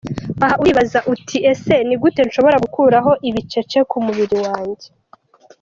Aha uribaza uti ese ni gute nshobora gukuraho ibicece ku mubiri wanjye?.